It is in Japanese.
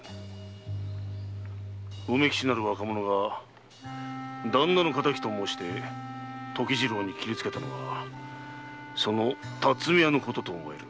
梅吉なる若者が「旦那の敵」と申して時次郎に斬りつけたのはその巽屋のことと思われる。